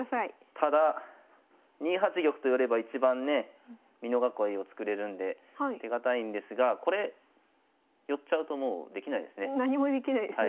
ただ２八玉と寄れば一番ね美濃囲いを作れるんで手堅いんですがこれ寄っちゃうともうできないですね。